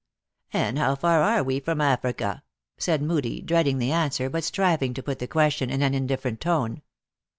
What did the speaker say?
" And how far are we from Africa ?" said Moodie, dreading the answ r er, but striving to put the question in an indiiferent tone.